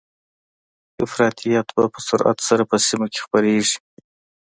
افراطيت به په سرعت سره په سیمه کې خپریږي